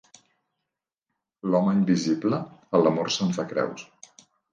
L'home invisible a l'amor se'n fa creus.